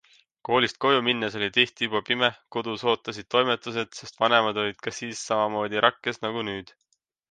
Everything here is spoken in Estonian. Koolist koju minnes oli tihti juba pime, kodus ootasid toimetused, sest vanemad olid ka siis samamoodi rakkes nagu nüüd.